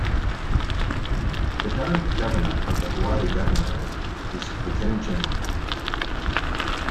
The current governor of the Hawalli governorate is Lt.Gen.